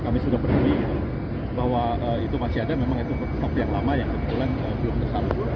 tapi bahwa itu masih ada memang itu tetap yang lama